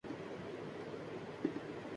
سندھ حکومت کا موقفکس حد تک درست یا غلط ہے